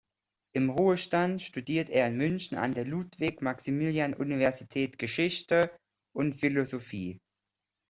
Im Ruhestand studiert er in München an der Ludwig-Maximilians-Universität Geschichte und Philosophie.